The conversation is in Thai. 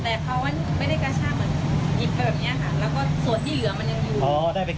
ส่วนน้ำถูกถูก